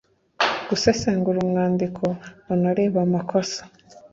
gusesengura umwandiko unarebe amakosa